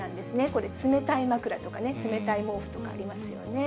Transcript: これ、冷たい枕とかね、冷たい毛布とかありますよね。